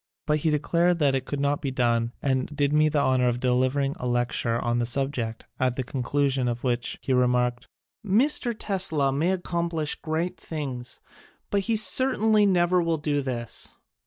But he declared that it could not be done and did me the honor of delivering a lecture on the subject, at the conclusion of which he remarked : "Mr. Tesla may ac complish great things, but he certainly never will do this.